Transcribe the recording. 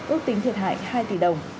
út tính thiệt hại hai tỷ đồng